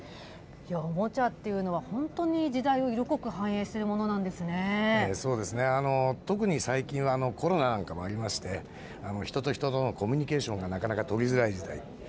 おもちゃっていうのは、本当に時代を色濃く反映するものなんそうですね、特に最近は、コロナなんかもありまして、人と人とのコミュニケーションがなかなか取りづらい時代。